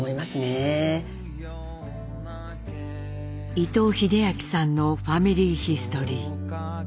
伊藤英明さんの「ファミリーヒストリー」。